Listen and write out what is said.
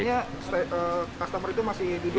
oh artinya customer itu masih duduk